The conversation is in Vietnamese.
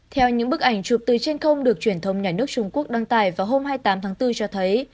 theo những bức ảnh chụp từ trên không được truyền thông nhà nước trung quốc đăng tải vào hôm hai mươi tám tháng bốn cho thấy